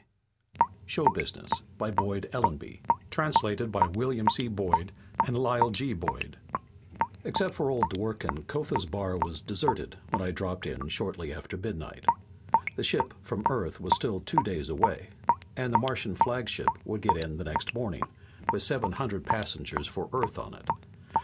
_ SHOW BUSINESS By Boyd Ellanby Illustrated by Mel Hunter Except for old Dworken, Kotha's bar was deserted when I dropped in shortly after midnight. The ship from Earth was still two days away, and the Martian flagship would get in next morning, with seven hundred passengers for Earth on it.